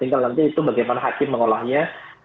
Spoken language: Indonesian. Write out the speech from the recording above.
tinggal nanti itu bagaimana hakim mengolahnya